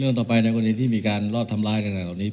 เรื่องต่อไปในกรณีที่มีการรอดทำร้ายของเราเลย